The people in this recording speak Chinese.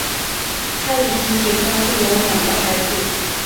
他已经结婚并有两个孩子。